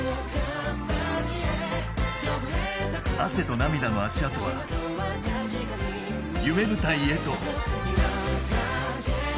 汗と涙の足跡は夢舞台へと。